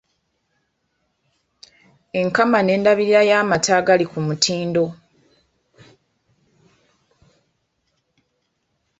Enkama n’endabirira y’amata agali ku mutindo.